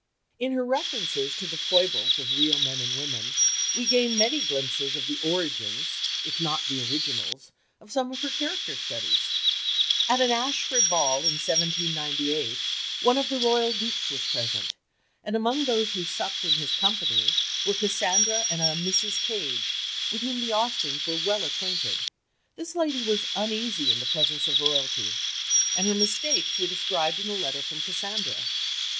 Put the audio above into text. In her references to the foibles of real men and women we gain many glimpses of the origins if not the originals of some of her character studies. At an Ashford ball in 1798 one of the Royal Dukes was present, and among those who supped in his company were Cassandra and a Mrs. Cage, with whom the Austens were well acquainted. This lady was uneasy in the presence of Royalty, and her mistakes were described in a letter from Cassandra.